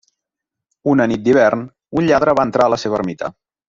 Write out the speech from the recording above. Una nit d'hivern, un lladre va entrar a la seva ermita.